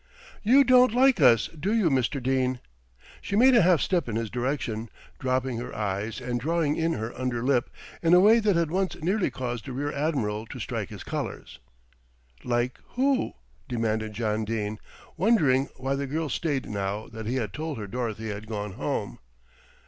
"You don't like us, do you, Mr. Dene?" She made a half step in his direction, dropping her eyes and drawing in her under lip in a way that had once nearly caused a rear admiral to strike his colours. "Like who?" demanded John Dene, wondering why the girl stayed now that he had told her Dorothy had gone home.